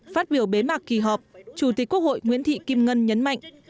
phát biểu bế mạc kỳ họp chủ tịch quốc hội nguyễn thị kim ngân nhấn mạnh